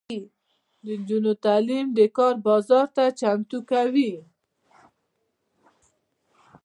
د نجونو تعلیم د کار بازار ته چمتو کوي.